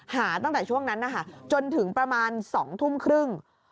หาตั้งแต่ช่วงนั้นนะคะจนถึงประมาณ๒ทุ่มครึ่ง